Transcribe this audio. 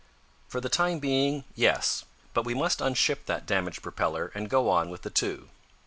"For the time being, yes. But we must unship that damaged propeller, and go on with the two."